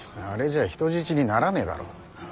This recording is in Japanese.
あれじゃ人質にならねえだろ。